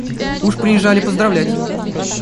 Уж приезжали поздравлять.